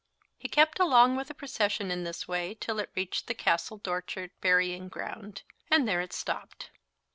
He kept along with the procession in this way till it reached the Castle Dochart burying ground, and there it stopped.